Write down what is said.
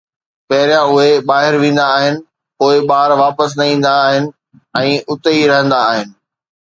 پهريان اهي ٻاهر ويندا آهن، پوءِ ٻار واپس نه ايندا آهن ۽ اتي ئي رهندا آهن